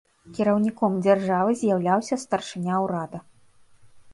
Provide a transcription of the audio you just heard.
Кіраўніком дзяржавы з'яўляўся старшыня ўрада.